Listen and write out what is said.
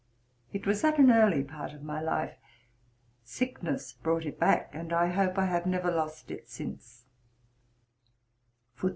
It was at an early part of my life. Sickness brought it back, and I hope I have never lost it since.'